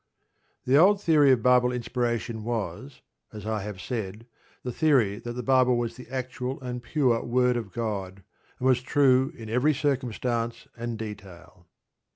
The old theory of Bible inspiration was, as I have said, the theory that the Bible was the actual and pure word of God, and was true in every circumstance and detail.